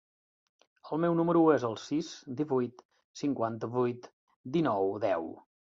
El meu número es el sis, divuit, cinquanta-vuit, dinou, deu.